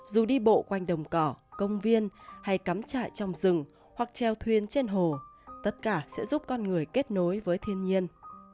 dù đi bộ quanh đồng cỏ công viên hay cắm trại trong rừng hoặc treo thuyền trên hồ tất cả sẽ giúp con người kết nối với thiên nhiên